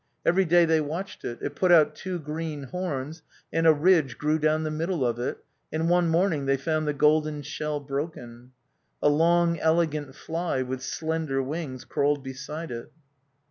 Every day they watched it; it put out two green horns, and a ridge grew down the middle of it, and one morning they found the golden shell broken. A long, elegant fly with slender wings crawled beside it.